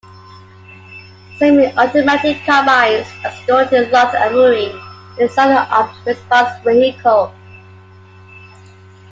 Semi-automatic carbines are stored in a locked armoury inside an armed response vehicle.